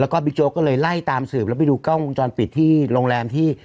เราก็บิ๊กโจ๊กก็เลยไล่ตามสืบไปดูกล้องจนปิดที่โรงแรมที่